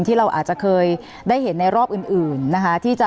ที่เราอาจจะเคยได้เห็นในรอบอื่นนะคะ